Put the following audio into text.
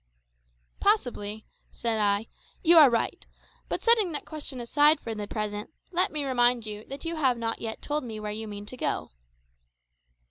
"Possibly," said I, "you are right; but, setting that question aside for the present, let me remind you that you have not yet told me where you mean to go to."